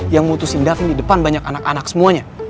yang mutusin daging di depan banyak anak anak semuanya